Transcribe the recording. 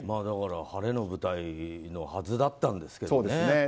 だから晴れの舞台のはずだったんですけどね。